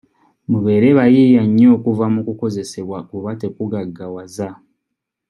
Mubeere bayiiya nnyo okuva mu kukozesebwa kuba tekugaggawaza.